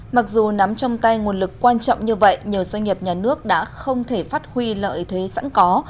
mặc dù nắm trong tay nguồn lực quan trọng như vậy nhiều doanh nghiệp nhà nước đã không thể phát huy lợi thế sẵn có